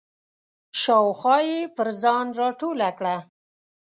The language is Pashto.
شاوخوا یې پر ځان راټوله کړه.